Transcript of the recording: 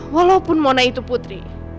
walaupun mona itu putri